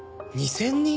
２０００人！？